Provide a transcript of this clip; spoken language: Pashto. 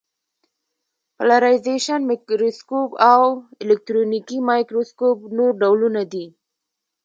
پالرېزېشن مایکروسکوپ او الکترونیکي مایکروسکوپ نور ډولونه دي.